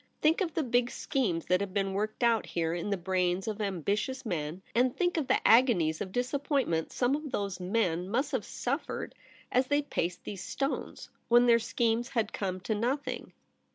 Think of the big schemes that have been worked out here in the brains of ambitious men ; and think of the agonies of disappoint ment some of those men must have suffered as they paced these stones, when their schemes had come to nothing.'